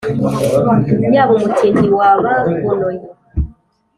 yaba umutindi wabahonoye